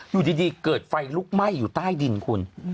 อยู่ดีเกิดไฟลุกไหม้อยู่ใต้ดินคุณ